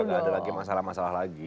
nggak ada lagi masalah masalah lagi